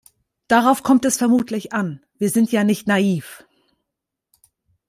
Darauf kommt es vermutlich an, wir sind ja nicht naiv.